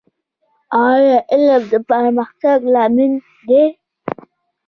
ایا علم د پرمختګ لامل دی؟